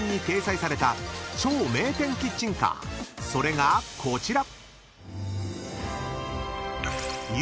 ［それがこちら］